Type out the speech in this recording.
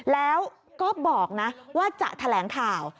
แล้วก็บอกนะว่าจะแถลงข่าว